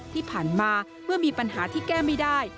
ที่ผ่านมาเมื่อมีปัญหาที่แก้ไม่ได้